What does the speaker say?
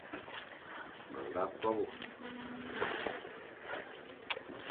Me ñga kobe,